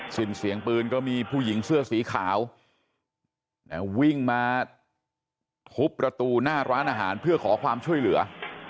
สิ้นเสียงปืนก็มีผู้หญิงเสื้อสีขาววิ่งมาทุบประตูหน้าร้านอาหารเพื่อขอความช่วยเหลือ